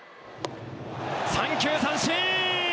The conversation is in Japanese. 三球三振！